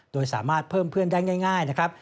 โดยสามารถเพิ่มเพื่อนได้ง่ายนะครับ